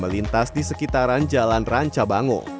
lintas di sekitaran jalan ranca bango